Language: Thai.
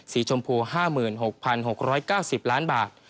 ชมพู๕๖๖๙๐ล้านบาท